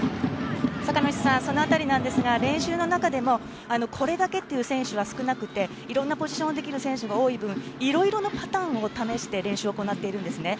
そのあたりなんですが練習の中でもこれだけという選手は少なくていろんなポジションをできる選手が多い分いろいろなパターンを試して練習を行っているんですね。